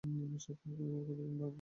সবসময় এমন কঠিন ভাব করে থাকবেন না।